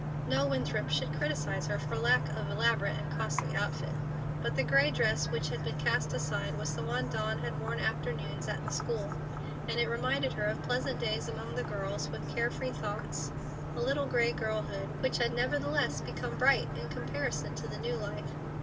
No Winthrop should criticise her for lack of elaborate and costly outfit. But the gray dress which had been cast aside was the one Dawn had worn afternoons at the school, and it reminded her of pleasant days among the girls, with care free thoughts—a little gray girlhood, which had nevertheless become bright in comparison to the new life.